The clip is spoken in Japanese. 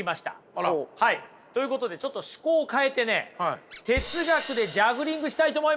あら。ということでちょっと趣向を変えてね哲学でジャグリングしたいと思います。